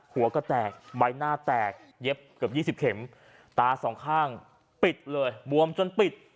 หัวก็แตกใบหน้าแตกเย็บเกือบ๒๐เข็มตาสองข้างปิดเลยบวมจนปิด